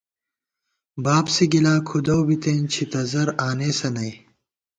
بابسِی گِلا کھُودَؤ بِتېن، چھِتہ زَر آنېسہ نئ